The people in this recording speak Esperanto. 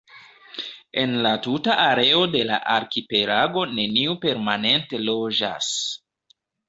En la tuta areo de la arkipelago neniu permanente loĝas.